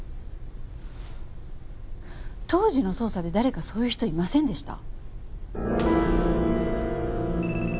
当時の捜査で誰かそういう人いませんでした？